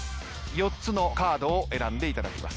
４つのカードを選んでいただきます。